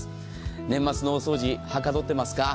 年末の大掃除はかどっていますか？